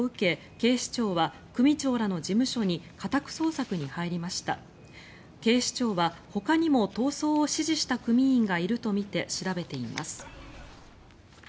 警視庁はほかにも逃走を指示した組員がいるとみて調べています。